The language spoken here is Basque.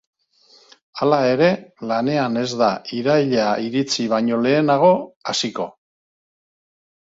Hala ere, lanean ez da iraila iritsi baino lehenago hasiko.